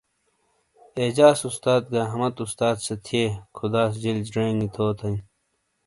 اعجاز استاس گہ احمد استاس سے تھئیے، خداس جیل زینگئ تھو تئی۔